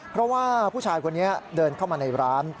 เพราะว่าผู้ชายคนนี้เดินเข้ามาในร้าน